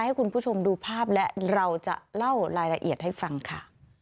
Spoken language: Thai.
ให้คุณผู้ชมดูภาพและเราจะเล่ารายละเอียดให้ฟังค่ะ